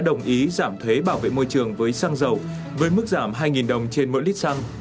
để giảm thuế bảo vệ môi trường với xăng dầu với mức giảm hai đồng trên mỗi lít xăng